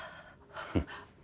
フッ。